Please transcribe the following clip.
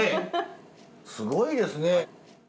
すごいですね。